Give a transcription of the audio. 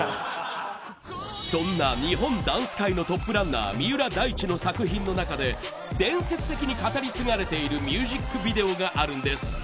そんな日本ダンス界のトップランナー三浦大知の作品の中で伝説的に語り継がれているミュージックビデオがあるんです。